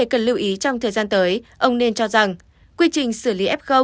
cần lưu ý trong thời gian tới ông nên cho rằng quy trình xử lý f